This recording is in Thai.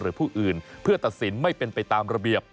ผู้อื่นเพื่อตัดสินไม่เป็นไปตามระเบียบ